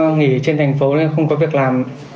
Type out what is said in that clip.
nghỉ trên thành phố nên không có việc làm